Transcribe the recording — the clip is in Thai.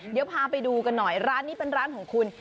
เดี๋ยวพาไปดูกันหน่อยร้านนี้เป็นร้านของคุณ